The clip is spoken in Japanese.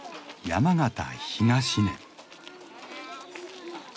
山形東根。